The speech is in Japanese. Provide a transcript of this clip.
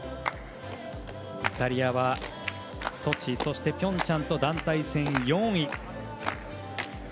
イタリアはソチ、ピョンチャンと団体戦４位。